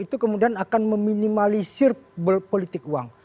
itu kemudian akan meminimalisir politik uang